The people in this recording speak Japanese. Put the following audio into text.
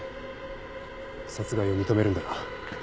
殺害を認めるんだな？